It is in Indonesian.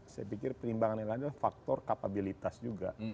saya pikir pertimbangan yang lain adalah faktor kapabilitas juga